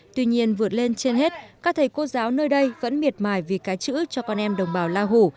tuy nhiên vượt lên trên hết các thầy cô giáo nơi đây vẫn miệt mài vì cái chữ cho con em đồng bào la hủ